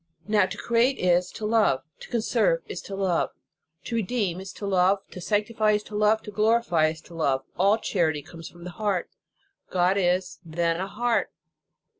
Now to create is to love ; to conserve is to love ; to redeem is to love ; to sanctify is to love; to glorify is to love. All charity comes from the heart. God is, then, a heart.